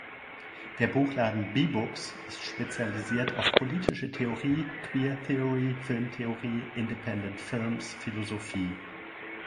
Der Buchladen b_books ist spezialisiert auf Politische Theorie, queer theory, Filmtheorie, independent films, Philosophie.